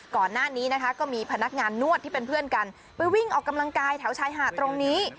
ก่อนหน้านี้นะคะก็มีพนักงานนวดที่เป็นเพื่อนกันไปวิ่งออกกำลังกายแถวชายหาดตรงนี้